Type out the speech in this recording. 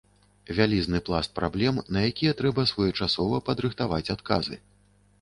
Вялізны пласт праблем, на якія трэба своечасова падрыхтаваць адказы.